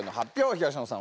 東野さん